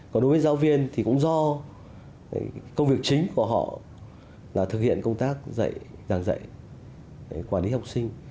còn đối với giáo viên thì cũng do công việc chính của họ là thực hiện công tác dạy giảng dạy quản lý học sinh